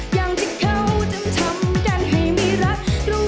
อย่างที่เขาจึงทำกันให้ไม่รักรู้